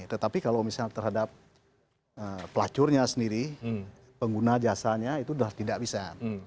tetapi kalau misalnya terhadap pelacurnya sendiri pengguna jasanya itu sudah tidak bisa